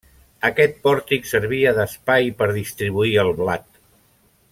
Aquest pòrtic servia d'espai per distribuir el blat.